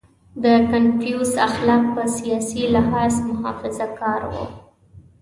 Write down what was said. • د کنفوسیوس اخلاق په سیاسي لحاظ محافظهکار وو.